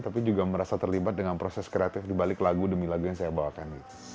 tapi juga merasa terlibat dengan proses kreatif dibalik lagu demi lagu yang saya bawakan